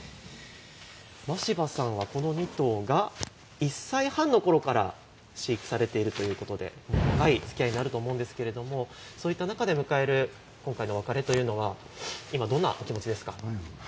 真柴さんはこの２頭が１歳半のころから飼育されているということで長いつきあいになると思うんですけれどそういった中で迎える今回の別れというのは今、どんなお気持ちですか。